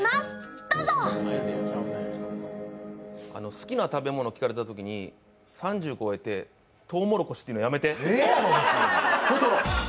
好きな食べ物聞かれたときに３０超えて、とうもろこしって言うのやめて。